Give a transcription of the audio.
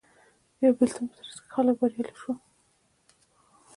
د یوه بېلتون په ترڅ کې خلک بریالي شول